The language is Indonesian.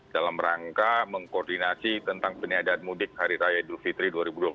dalam rangka mengkoordinasi tentang penyediaan mudik hari raya idul fitri dua ribu dua puluh satu